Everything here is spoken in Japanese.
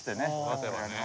待てばね。